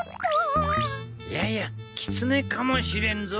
いやいやキツネかもしれんぞ。